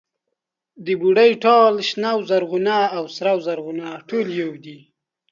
د بوډۍ ټال، شنه و زرغونه او سره و زرغونه ټول يو دي.